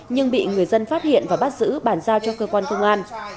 nhưng bị người dân phát hiện và bắt giữ bàn giao cho cơ quan công an